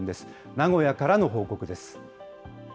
名古屋からの報告です。